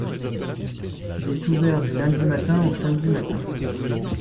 Il est ouvert du lundi matin au samedi matin.